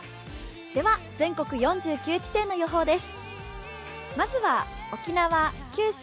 では全国４９地点の予報です。